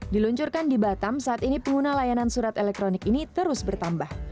diluncurkan di batam saat ini pengguna layanan surat elektronik ini terus bertambah